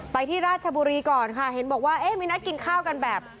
ไปที่ราชบุรีก่อนค่ะเห็นบอกว่าเอ๊ะมีนัดกินข้าวกันแบบ